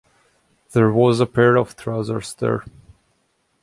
There was a pair of trousers there.